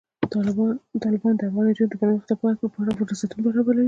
تالابونه د افغان نجونو د پرمختګ لپاره فرصتونه برابروي.